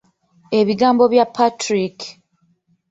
Ebigambo bya Patrick.